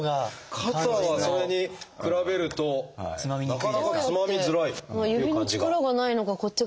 肩はそれに比べるとなかなかつまみづらいという感じが。